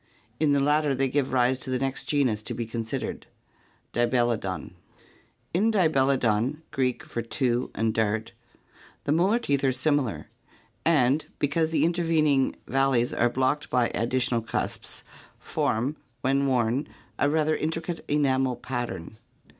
In the latter they give rise to the next genus to be considered, Dibelodon. In Dibelodon (Gr. &, two, £e\o9, dart) (Fig. 204) the molar teeth are similar and, because the intervening valleys are blocked by ad ditional cusps, form, when worn, a rather intricate enamel pattern.